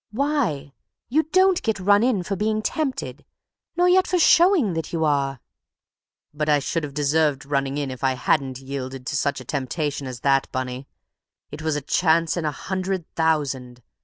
"Why? You don't get run in for being tempted, nor yet for showing that you are!" "But I should have deserved running in if I hadn't yielded to such a temptation as that, Bunny. It was a chance in a hundred thousand!